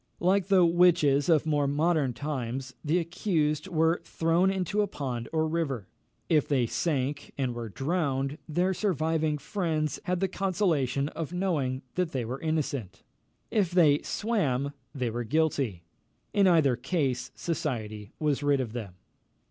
Like the witches of more modern times, the accused were thrown into a pond or river; if they sank, and were drowned, their surviving friends had the consolation of knowing that they were innocent; if they swam, they were guilty. In either case society was rid of them.